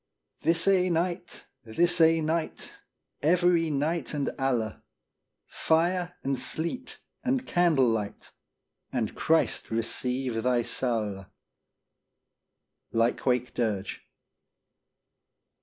This ae night, this ae night, Every night and alle, Fire and sleet and candle light, And Christ receive thy saule. Lykewake Dirge.